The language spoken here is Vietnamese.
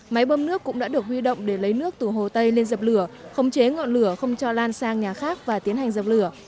máy bơm nước cũng đã được huy động để lấy nước từ hồ tây lên dập lửa khống chế ngọn lửa không cho lan sang nhà khác và tiến hành dập lửa